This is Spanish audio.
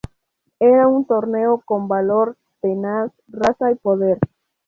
Era un torero con valor, tenaz, raza y poder.